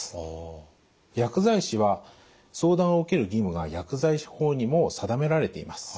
薬剤師は相談を受ける義務が薬剤師法にも定められています。